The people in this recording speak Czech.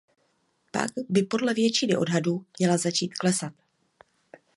Pak by podle většiny odhadů měla začít klesat.